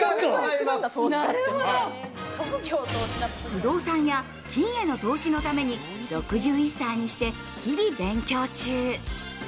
不動産や金への投資のために、６１歳にして日々勉強中。